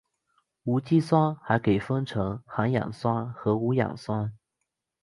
无机酸还可以分成含氧酸和无氧酸。